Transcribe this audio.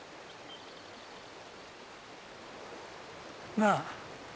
なあ。